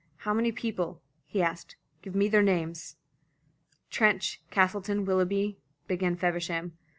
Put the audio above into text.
How many people?" he asked. "Give me their names." "Trench, Castleton, Willoughby," began Feversham.